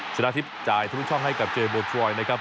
ชนะทิพย์จ่ายทะลุช่องให้กับเจโบสรอยด์นะครับ